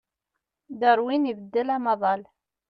Darwin ibeddel amaḍal.